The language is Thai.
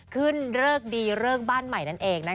ขึ้นเลิกดีเลิกบ้านใหม่นั้นเอง